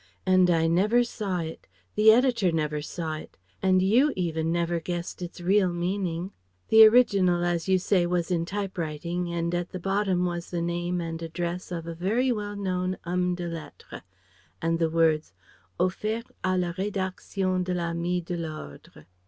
And I never saw it, the Editor never saw it, and you, even, never guessed its real meaning! The original, as you say, was in typewriting, and at the bottom was the name and address of a very well known homme de lettres: and the words: 'Offert à la rédaction de l'Ami de L'Ordre.'